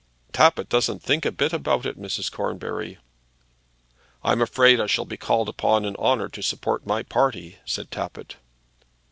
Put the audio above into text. "Tappitt doesn't think a bit about that, Mrs. Cornbury." "I'm afraid I shall be called upon in honour to support my party," said Tappitt.